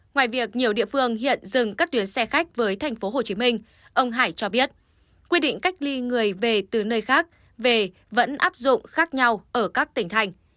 ngoài việc nhiều địa phương hiện dừng các tuyến xe khách với tp hcm ông hải cho biết quy định cách ly người về từ nơi khác về vẫn áp dụng khác nhau ở các tỉnh thành